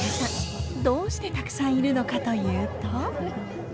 どうしてたくさんいるのかというと。